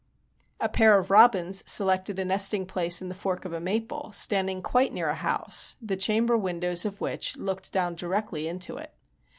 A pair of robins selected a nesting place in the fork of a maple, standing quite near a house, the chamber windows of which looked down directly into it.